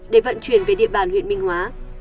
để vận chuyển về địa bàn huyện minh hóa